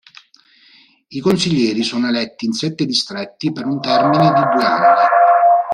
I consiglieri sono eletti in sette distretti per un termine di due anni.